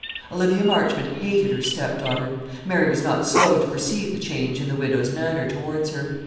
Olivia Marchmont hated her stepdaughter. Mary was not slow to perceive the change in the widow's manner towards her.